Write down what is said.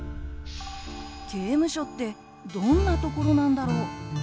刑務所ってどんなところなんだろう？